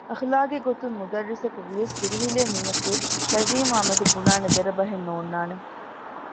އަޚުލާޤީ ގޮތުން މުދައްރިސަކު ވިޔަސް ދުރުހިލޭ މީހަކުވިޔަސް ޝަޒީމް އާމެދު ބުނާނެ ދެރަ ބަހެއް ނޯންނާނެ